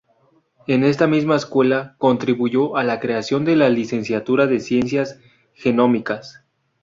En esta misma escuela, contribuyó a la creación de la Licenciatura de Ciencias Genómicas.